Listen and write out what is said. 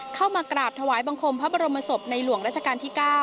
เข้ามากราบถวายบังคมพระบรมศพในหลวงราชการที่๙